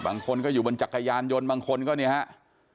บางคนก็อยู่บนจักรยานยนต์บางคนก็เนี่ยครับ